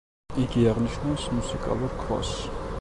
იგი აღნიშნავს „მუსიკალურ ქვას“.